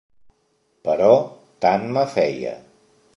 Però tant me feia.